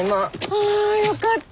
ああよかった。